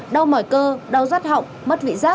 đau mỏi cơ đau rát họng mất vị rác